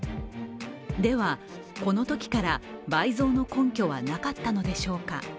では、このときから倍増の根拠はなかったのでしょうか。